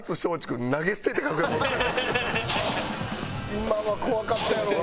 今は怖かったやろうな。